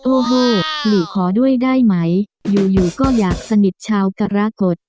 โอ้โหหลีขอด้วยได้ไหมอยู่อยู่ก็อยากสนิทชาวกรกฎ